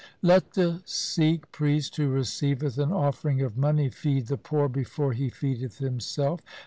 Let the Sikh priest who receiveth an offering of money feed the poor before he feedeth himself.